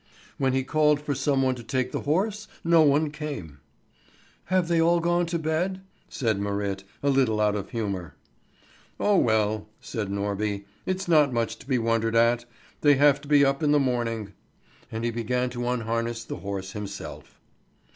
When he called for some one to take the horse, no one came. "Have they all gone to bed?" said Marit, a little out of humour. "Oh well," said Norby, "it's not much to be wondered at; they have to be up in the morning." And he began to unharness the horse himself.